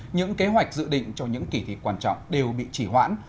những kế hoạch dự định cho những kỳ thi quan trọng đều bị chỉ hoãn